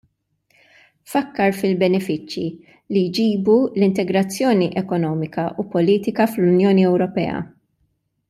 Fakkar fil-benefiċċji li jġibu l-integrazzjoni ekonomika u politika fl-Unjoni Ewropea.